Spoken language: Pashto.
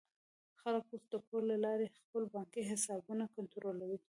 خلک اوس د کور له لارې خپل بانکي حسابونه کنټرولوي.